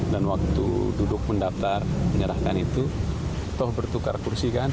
dan waktu duduk mendaftar menyerahkan itu toh bertukar kursi kan